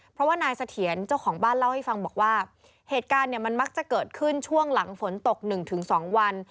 เพราะว่านายเสถียรเจ้าของบ้านเล่าให้ฟังบอกว่าเหตุการณ์เนี่ยมันมักจะเกิดขึ้นช่วงหลังฝนตก๑๒วัน